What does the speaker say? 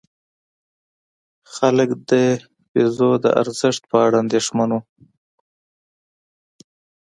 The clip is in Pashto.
خلک د پیزو د ارزښت په اړه اندېښمن وو.